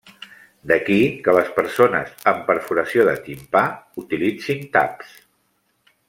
D'aquí que les persones amb perforació de timpà utilitzin taps.